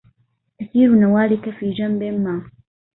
كثير نوالك في جنب ما